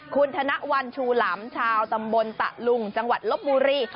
คุณธนวัลชูหลำชาวตำบลตะลุงจังหวัดลบบุรี